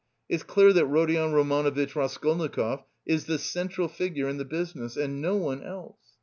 It's clear that Rodion Romanovitch Raskolnikov is the central figure in the business, and no one else.